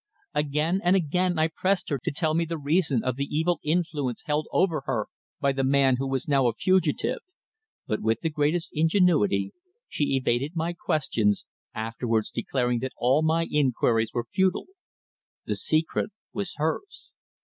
Again and again I pressed her to tell me the reason of the evil influence held over her by the man who was now a fugitive, but with the greatest ingenuity she evaded my questions, afterwards declaring that all my inquiries were futile. The secret was hers.